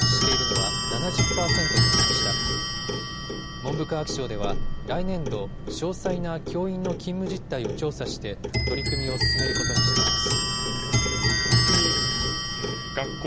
文部科学省では、来年度、詳細な教員の勤務実態を調査して、取り組みを進めることにしています。